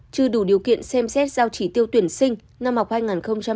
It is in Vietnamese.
chưa đủ điều kiện xem xét giao chỉ tiêu tuyển sinh năm học hai nghìn hai mươi hai nghìn hai mươi